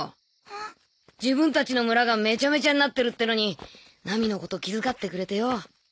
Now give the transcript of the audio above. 自分たちの村がメチャメチャになってるってのにナミのこと気づかってくれてよ